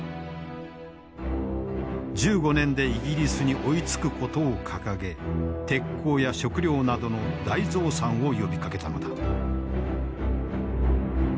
１５年でイギリスに追いつくことを掲げ鉄鋼や食料などの大増産を呼びかけたのだ。